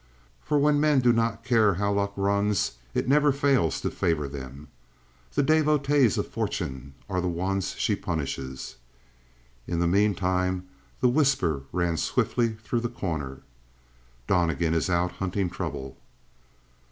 For when men do not care how luck runs it never fails to favor them. The devotees of fortune are the ones she punishes. In the meantime the whisper ran swiftly through The Corner. "Donnegan is out hunting trouble."